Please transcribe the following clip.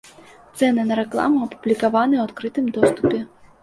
Цэны на рэкламу апублікаваныя ў адкрытым доступе.